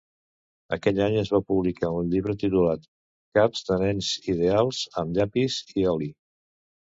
Aquell any es va publicar un llibre titulat "Caps de nens ideals amb llapis i oli".